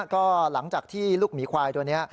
ก็หลังจากที่ลูกหมีควายตัวนี้